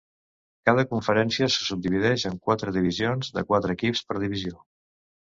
Cada conferència se subdivideix en quatre divisions, de quatre equips per divisió.